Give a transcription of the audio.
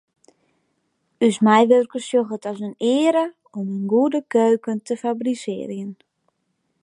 Us meiwurkers sjogge it as in eare om in goede keuken te fabrisearjen.